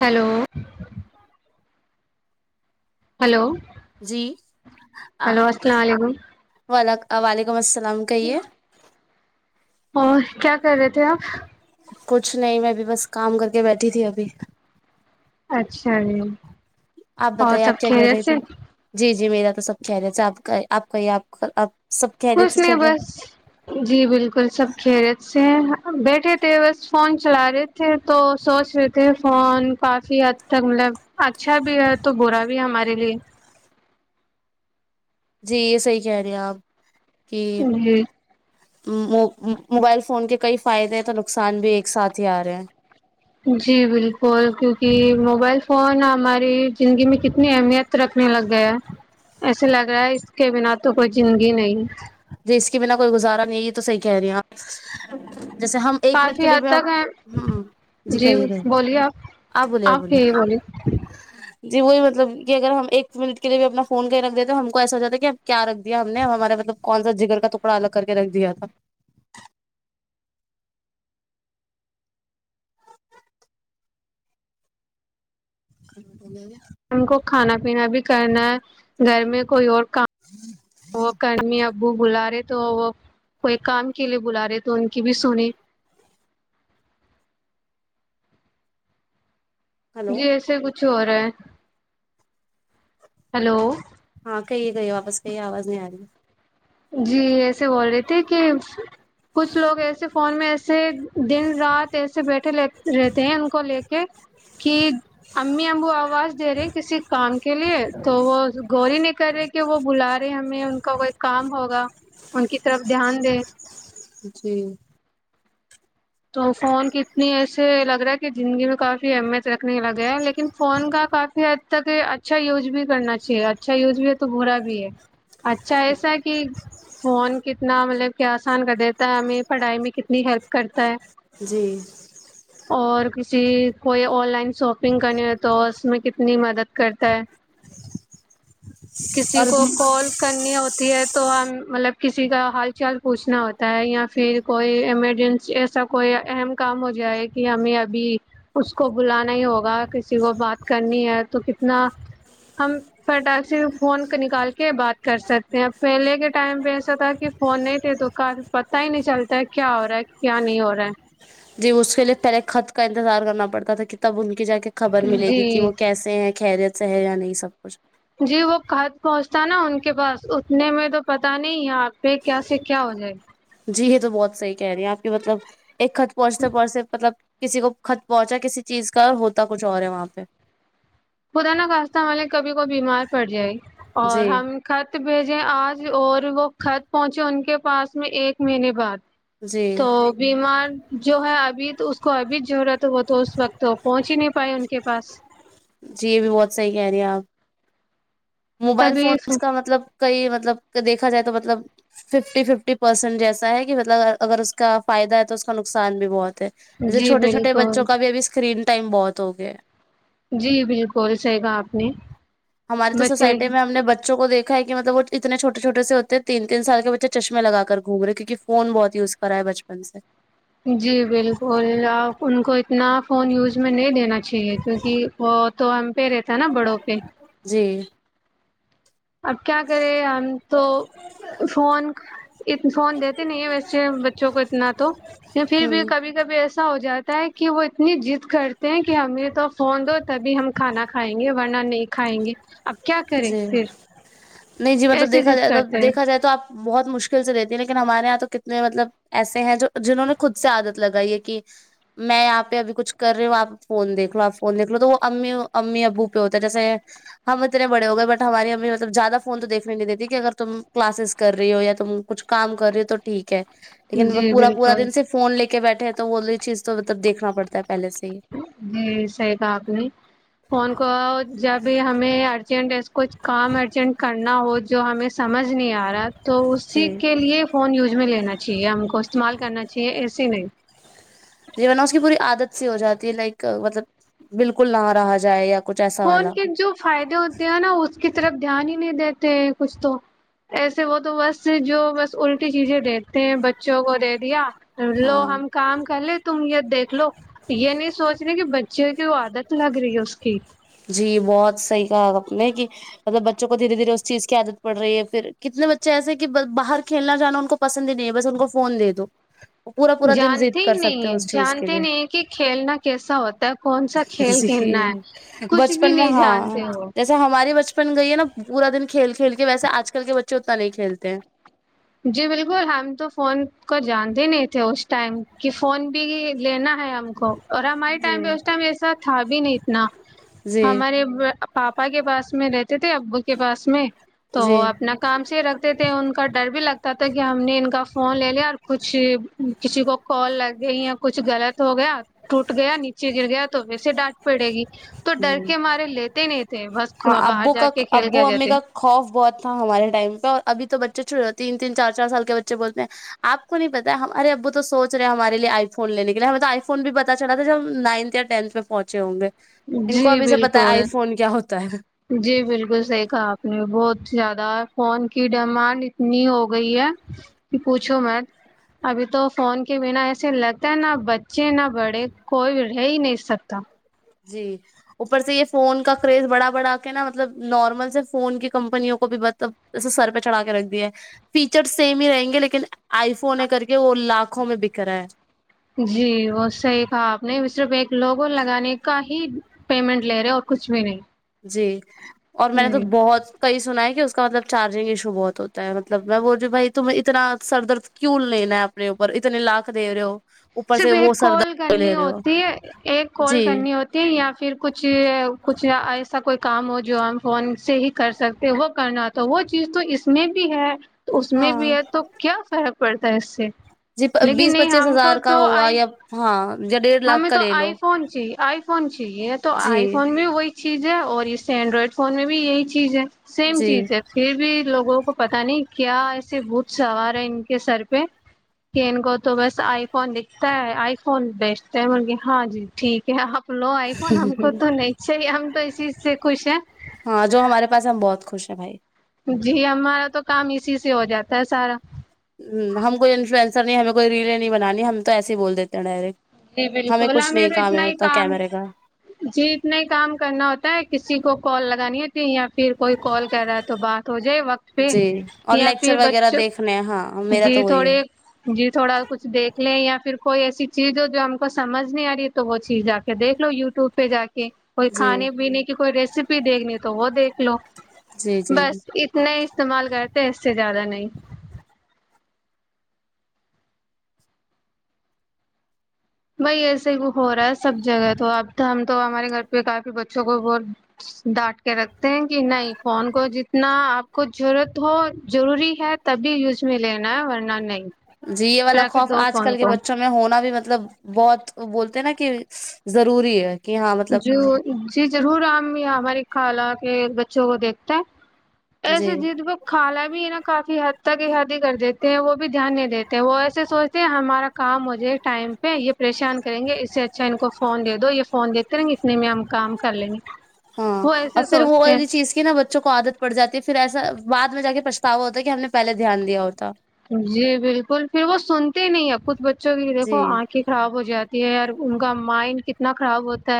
hello hello جی hello السلام علیکم ولیکم السلام ام کہیے اور کیا کر رہے تھے آپ کچھ نہیں میں ابھی بس کام کر کے بیٹھی تھی ابھی اچھا جی آپ اور بتائیے سب آپ کیا کر کھیلے رہے تھے جی جی میرا تو سب کہہ رہے تھ آپ آپ کا آپ آپ سب خیریت کچھ سے نہیں چل رہا ہے بس جی بالکل سب خیرت سے ہیں بیٹھے تھے بس فون چلا رہے تھے تو سوچ رہے تھے فون کافی حد تک مطلب اچھا بھی ہے تو برا بھی ہے ہمارے لیے جی یہ صحیح کہہ رہے آپ ج کہ جی موبائل فون کے کئی فائدے ہیں تو نقصان بھی ایک ساتھ ہی آ رہے ہیں جی بالکل کیونکہ موبائل فون ہماری زندگی میں کتنی اہمیت رکھنے لگ گیا ایسے لگ رہا ہے اس کے بنا تو کوئی زندگی نہیں اس کے بنا کوئی گزارا نہیں ہے یہ تو صحیح کہہ رہی ہے آپ جیسے ہم ایک منٹ کافی کے لیے حد بھی تک ہم ہیں ہ جی کہیے کہیے بولیے آپ اپ ہی بولیے جی وہی مطلب کہ اگر ہم ایک منٹ کے لیے بھی اپنا فون کہی رکھ دی تو تو ہم کو ایسا ہو جاتا کہ اب کیا رکھ دیا ہم نے ہمارا مطلب کون سا جگر کا ٹکڑا الگ کر کے رکھ دیا تھا [inaudible] ہم کو کھانا پینا بھی کرنا ہے گھر میں کوئی اور [unintelligible] ابو بلا رہے تو وہ کوئی کام کے لیے بلا رہے تو ان کی بھی سنی ہلو جی ایسے کچھ ہو رہا ہلو ہاں کہیے کہیے واپس کہیے آواز نہیں آ رہی ہے جی ایسے بول رہے تھے کہ کچھ لوگ ایسے فون میں ایسے دن رات ایسے بیٹھے رہتے ہیں ان کو لے کے کہ امی ابو آواز دے رہے کسی کام کے لیے تو وہ گور ہی نہیں کر رہے کہ وہ بلا رہے ہیں ہمیں کام ہوگا ان کی طرف دھیان دے جی تو فون کی اتنی ایسے لگ رہا ہے کہ زندگی میں کافی اہمیت رکھنے لگے ہے لیکن فون کا کافی حد تک اچھا یوز بھی کرنا چاہیے اچھا یوز بھی تو برا بھی ہے اچھا ایسا کہ فون کتنا مطلب کہ آسان کر دیتا ہے ہمیں پڑھائی میں کتنی ہیلپ تا ہے جی جی کوئی آن لائن شاپنگ کرنی ہو تو اس میں کتنی مدد کرتا ہے کسی اور کو کال کرنی ہوتی ہے تو ہم مطلب کسی کا حال چال پوچھنا ہوتا ہے یا پھر کوئی ایمرجنسی ایسا کوئی اہم کام ہو جائے کہ ہمیں ابھی اس کو بلانا ہی ہوگا کسی کو بات کرنی ہے تو کتنا ہم فٹاک سے فون نکال کے بات کر سکتے ہیں پہلے کے ٹائم پہ ایسا تھا کہ فون نہیں تھے تو کا پتا ہی نہیں چلتا کیا ہو رہا ہے کیا نہیں ہو رہا جی اس کے لیے پہلے خط کا انتظار کرنا پڑتا تھا کہ تب ان کی جا کے خبر ہے ملے گی کہ جی وہ کیسے ہیں خریت سے یا نہیں سب کچھ جی وہ خط پہنچتانا ان کے پاس اتنے میں تو پتا نہیں ہے آپ پہ کیا سے کیا ہو جائے جی یہ تو بہت صحیح کہہ رہی ہیں آپ بھی مطلب ایک خت پہنچتے پہنچتے مطلب کسی کو خط پہنچا کسی چیز کا ہوتا کچھ اور ہے وہاں پہ خدا نا خاستہ ہمے کبھی کویی بیمار پڑ جائے اور جی ہم خط بھیجے آج اور وہ خط پہنچے ان کے پاس میں ایک مہینے بعد جی تو بیمار جو ہے ابھی تو اس کو ابھی ضرورت بہت تو اس وقت تو پہنچ ہی نہیں چھپائے ان کے پاس جی یہ بھی بہت صحیح کہہ رہی ہیں آپ موبائل تبھی فونس کا مطلب کئی مطلب دیکھا جائے تو مطلب ففٹی ففٹی پرسینٹ جیسا ہے کہ مطلب اگر اس کا فائدہ ہے تو اس کا نقصان بھی بہت جسے جی چھٹے چھوٹے بالکل بچوں کا بھی اب اسکرین ٹائم بہت ہو گیا جی بالکل سحی گا آپ نے ہماری تو بچے سوسائٹی میں ہم نے بچوں کو دیکا ہے کہ مطلب وہ اتنے چھٹے چھوٹے سے ہوتے ہیں تین تین سال کے بچے چشمے لا کر گوم گے کیونک فون بہت یوز کرا ہے بچپن سے جی بالکل آپ ان کو اتنا فون یوز میں نہیں دینا چ اچھا ہے کیونکہ بہت تو ہم پہیرے تھا نا بڑوں پہ جی اب کیا کرے ہم تو فون ا فون دیتے نہیں ہیں ویسے بچوں کو اتنا تو پھر ہوں بھی کبھی کبھی ایسا ہو جات کہ وہ اتنی جضد کرتے ہیں کہ ہمیں تو فون دو تبھی ہم کھانا کھائیں گے ورنہ نہیں کھائیں گے اب کیا کرے جی پھر نہیں جی مطلب ایسی دیکھا ضد جائے تو کرتے دیکا ہیں جائے تو آپ بہت مشکل سے لیکن ہمارے یہاں تو کتنے مطلب ایسے ہیں جنہوں نے خود سے عادت لگائی ہے کہ میں یہاں پہ ابھی کچھ کر رہی ہوں آپ فون دیکھ لو آپ فون دیکھ لو تو وہ امی امی ابو پہ ہوتا ہے جیسے ہم اتنے بڑے ہو گئے بٹ ہماری ہمیں مطلب زیادہ فون تو دیکھنے نہیں دیتی کہ اگر تم کلاسز کر رہی ہو یا تم کچھ کام کر رہ ہو تو ٹھیک ہے لیکن وہ جی پورا پورا بالکل دن سے فون لے کے بیٹھے تو وہی چیز تو مطلب دیکنا پڑتا ہے پہلے سے ہی جی صحیح کہا آپ نے فون کہا جب ہمیں ارجنٹ ایس کچھ کام ارجنٹ کرنا ہو جو ہمیں سمجھ نہیں تو جی اسی کے لیے فون یوز میں لینا چاہیے ہم کو استعمال کرنا چاہیے ایسے نہیں جی نا اس کی پوری عادت سی ہو جاتی ہے لائک مطلب بالکل نہ رہا جائے یا کچھ ایسا فون والا کے جو فائدے ہوتے ہیں نا اس کے اس طرف دھیان ہی نہیں دیتے ہیں کچھ تو ایسے وہ تو بس جو بس الٹی چیزیں دیتے ہیں بچوں کو دے دیا لو ہاں ہم کام کر لے تم یہ دیکھ لو یہ نہیں سوچ رہ کہ بچوں کی عادت لگ رہی ہے اس کی جی بہت صحیح کہا آپ نے کہ مطلب بچوں کو دھیرے دھیرے اس چیز کی عادت پڑ رہی ہے پھر کتنے بچے ایس ہیں کہ باہر کھیلنا جانا ان کو پسند ہی نہیں ہے بس ان کو فون دے دو وہ پورا پورا دن جانتے ضد ہی کر نہیں سکتے ہے ہیں اس چیز کے جانتے لیے نہیں ہیں کہ کھیلنا کیسا ہوتا ہے کون سا کھیل کھیلنا جی ہے کچھ بھی بچپن میں نہیں ہاں جانتے وہ جیسے ہماری بچپن گئی ہے نا پورا دن کھیل کھیل کے ویسے آج کل کے بچے اتنا نہیں کھیلتے ہیں جی بالکل ہم تو فون کو جان دینے تھے اس ٹائم کی فون بھی لینا ہے ہم کو [inaudible] اور ہمارے جی ٹائم پہ اس ٹائم ایسا تھا بھی نہیں اتنا جی ہمارے پاپا کے پاس میں رہتے تھے اب کے پاس میں [inaudible] تو وہ جی اپنا کام سے رکھتے تھے ان کا بھی لگتا تھا کہ ہم نے ان کا فون لے لیا اور کچھ کسی کو کال لگ گئی یا کچھ غلط ہو گیا ٹوٹ گیا نیچے گر گیا تو ویسے ڈانٹ پڑے گی [inaudible] ڈر کے مارے لیتے نہیں تھے بس ہاں باہر ابو جا کا کے کھیل کے ابو امی جاتے کا خوف بہت تھا ہمارے ٹائم پہ اور ابھی تو بچے چھوٹ جات تین تین چار چار سال کے بچے بولتے ہیں آپ کو نہیں پتا ہے ہم ار ابو تو سوچے ہمارے آئی فون ل لینے کے لیے ہمیں تو آئی فون بھی پتا چلا تھا جب ہم نائنتھ یا ٹینت میں پہنچے ہوں گے ان جی کو ابھی سے پتا ہے بالکل آئی فون کیا ہوتا ہے جی بالکل سیکھا آپ نے بہت زیادہ فون کی ڈیمانڈ اتنی ہو گئی ہے کہ پوچھو میں ابھی تو فون کے بنا ایسے لگتے ہے نہ بچے نہ بڑے کوئی رہ ہی نہیں سکتا جی اوپر سے یہ فون کا کریز بڑا بڑا کے نا مطلب نارمل سے فون کی کمپنیوں کو بھی مطلبے سر پہ چڑھا کے رکھ دیا فیچر سیم ہی رہیں گے لیکن آئی فون ہے کر کے وہ لاکھوں میں بکھ رہا ہے جی وہ صحی کہا آپ نے صرف ایک لوگوں لگانے کا ہی پیمنٹ لے رہے اور کچھ بھی نہیں جی [inaudible] اور میں نے تو ہوں بہت کئی سن ہے کہ اس کا مطلب چارجنگ ایشو بہت ہوتا ہے مطلب میں بول رہیوں بھائی تم ات سر درد کیوں لینا ہے اپنے اوپر اتنے لاکھ د رہے ہو اوپر صرف سے وہ ایک سر کال درد لے کرنی رہے ہو ہوتی ہے ایک کال جی کرنی ہوتی ہے یا پھر کچھ کچھ ایسا ایسا کوئی کام ہو جو ہم فون سے ہی کر سکتے وہ کرنا تو وہ چیز تو اس میں بھی ہے تو اس میں بھی ہاں ہے تو کیا فرق پڑتا ہے اس سے [inaudible] جی لیکن بیس نہیں پچیس ہم کو ہزار [unintelligible] تو ہوا آئی یا ہاں [inaudible] لاکھ ہمیں کا تو لے آئی لو فون چاہیے آئی فون چاہیے تو جی آئی فون میں وہی [unintelligible] چیز ہے اور اس سے اینڈرائڈ فون میں بھی یہی چیز ہے [unintelligible] سیم جی چیز ہے پھر بھی لوگوں کو پتا نہیں کیا ایے بت [unintelligible] سوار ہے ان کے سر پہ کہ ان کو تو بس آئی فون دکھتا ہے آئی فون بیسٹ [unintelligible] مر گ ہاں جی ٹھیک ہے [inaudible] لو آئی فون ہم کو تو نہیں چاہیے ہم تو اسی سے خوش ہے [unintelligible] اا بھائی [inaudible] جی ہمارا تو کام اسی سے ہو جاتا ہے سارا [unintelligible] ہ ہم کوئی انفلوئنسر نہیں ہمیں کوئی ریلیں نہیں بنانی ہم تو ایسے ہی بول دیتے ہیں ڈائریکٹ [unintelligible] جی ہمیں بالکل ہاں کچھ نہیں میرے کام ہے اتنا ہی کام کیمرے کا جی اتنا ہی کام کرنا ہوتا ہے کسی کو کال لگانی ہے یا پھر کوئی کال کر رہا ہے تو بات ہو جائے وقت پہ جی اور یا لیکچر پھر وغیرہ بچ دیکھنے ہیں ہاں میرا جی تو وہی ہے تھوڑے جی تھوڑا کچھ دیکھ لے یا پھر [unintelligible] کوئی ایسی چیز ہم کو سمج نہیں آ رہی تو وہ چیز جا کے دیکھ لو ی ٹیوب پہ جا کے کوئی جی کھانے پینے کی کوئی ریسیپی دیکھنی تو وہ دیکھ للو جی جی بس اتنا ہی استعمال کرتے ہیں اس سے زیادہ نہیں بائی ایسے ہی ہو رہا ہے سب جگہ تو اب ہم تو ہمارے گھر پہ کافی بچوں کو ب ڈانٹ رکھتے ہیں کہ نہیں فون کو جتنا آپ کچھ ضرورت ہو ضروری ہے تبھی یوز میں لینا ہے ورنہ نہیں جی یہ والا رکھ خوف دو آج فون کل کے کو بچوں میں ہونا بھی مطلب بہت بولتے نا کہ ضروری ہے کہ ہاں مطلب جو ج ضرور ہم ہماری خال کے بچوں کو دیکھتے ہے ایسے جی جد کو خالہ بھی ہے نا کافی حد تک شادی کر دیتے ہیں وہ بھی دھیان نہیں دیتے ہیں وہ ایسے سوچ ہمارا کام م ہو جائے ٹائم یہ پریشان کریں گے اس سے اچھا ان کو فون د دو یہ فون دیتے کتنے میں ہم کام کر لیں گے ہاں وہ اور ایسے پھر وہ سوچتے ہیں والی چیز کی نا بچوں کو عادت پڑ جاتی ہے پھر ایسا بد میں جا کے پچھتاوا ہوتا ہے کہ ہم نے پہے دھیان دیا ہوتا جی بالکل پھر وہ سنتے ہی نہیں اب خھ ب بچوں کی دیکو جی آنکھیں خراب ہو جاتی اور ان کا مائنڈ کتنا خراب ہوتا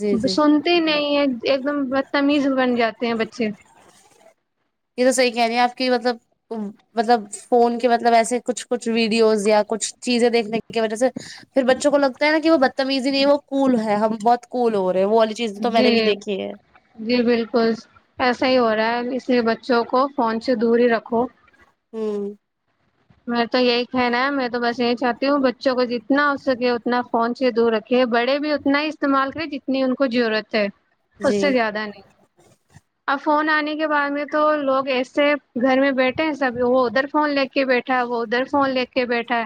جی جی سنتے نہیں ہے ایک دم بدتمیز بن جاتے ہیں بچے یہ تو صحیح کہنی ہیں آپ کی مطلب مطلب فون کے مطلب ایسے کچھ کچھ ویڈیوز یا کچھ چیزیں دیکھنے کی وجہ سے پھر بچوں کو لگتا ہے نا کہ وہ بدتمیزی نہیں وہ کول ہے ہم بہت کول ہو رہ جی جی بالکل ایسا ہی ہو رہا ہے سے بچوں کو فونن سے دور رکھو ہوں م تو یہی کہنا ہے میں تو بس یہی چاہتی ہوں بچوں کو جتنا ہو سکے اتنا فون سے دور رکھے بڑے بھی اتنا ہی استعمال کرے جتنی ان کو ضرورت ہے اس جی سے زیادہ نہیں اب فون آنے کے بعد میں تو لوگ ایسے گھر میں بیٹھے ہیں سبھی وہ ادھر فون لے کے بیٹھے بیٹھا وہ ادھر فون لے کے بیٹھا ہے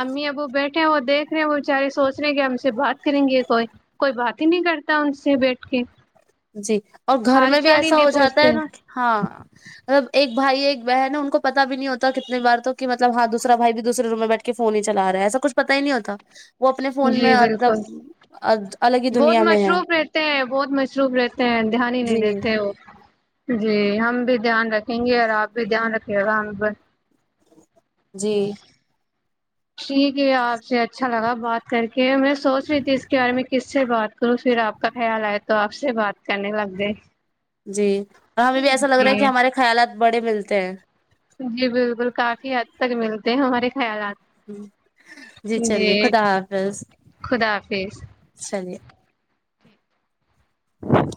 امی اب وہ بیٹھے ہیں وہ دیکھ رہے ہیں وہ بچارے سوچ رہے کہ ہم سے بات کریں گے کوئی کوئی بات ہی نہیں کرتا ان سے بیٹھ کے جی اور گھر حال میں بھی چال ہی ایسا نہیں ہو جاتا پوچھتے ہے نا کہ ہاں مطلب ایک بھائی ایک بہن ہے ان کو پتا بھی نہیں ہوتا کتنے بار تو کہ مطلب ہاں دوسا بھائی بھی دوسرے روم میں بیٹھ کے فون ہی چلا رہا ہے ایسا کچھ پتا ہی نہیں ہوتا وہ اپنے فون جی میں بالکل مطلب الگ ہی بہت دنیا میں ہے مصروف رہتے ہیں بہت مصروف رہتے ہیں دھیان ہی نہیں جی دیتے وہ جی ہم بھی دھیان رکھیں گے اور آپ بھی دھیان رکھے گا ہم پر جی ٹھیک ہے آپ سے اچھا لگا بات کر کے میں سوچ رہی تھی اس کے بارے میں کس سے بات کروں پھر آپ کا خیال آئے تو آپ سے بات کرنے لگ گئے جی ہمیں بھی ایسا لگ رہا ہے کہ جی ہمارے خیالات بڑے ملتے ہیں جی بالکل کافی حد تک ملتے ہیں ہمارے خیالات ہ جی چلیے خدا حافظ خدا حافظ چلیے ہاں